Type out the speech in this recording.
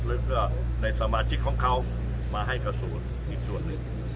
หรือก็ในสมาชิกของเขามาให้กระทรวงอีกส่วนหนึ่ง